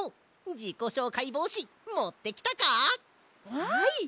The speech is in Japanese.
はい！